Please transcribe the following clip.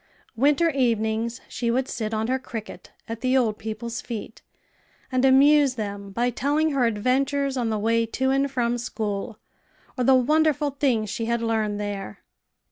Winter evenings she would sit on her cricket at the old people's feet, and amuse them by telling her adventures on the way to and from school, or the wonderful things she had learned there.